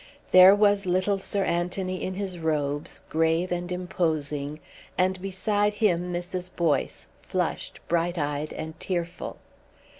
There was little Sir Anthony in his robes, grave and imposing, and beside him Mrs. Boyce, flushed, bright eyed, and tearful.